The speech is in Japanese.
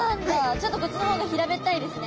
ちょっとこっちの方が平べったいですね。